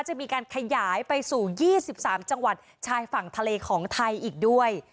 จะมีการขยายไปสู่๒๓จังหวัดชายฝั่งทะเลของไทยอีกด้วย